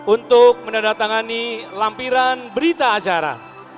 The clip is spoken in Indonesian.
untuk menandatangani lampiran berita acara